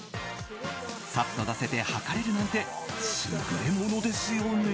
サッと出せて量れるなんて優れものですよね。